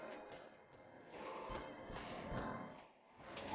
mudah mudahan di belanda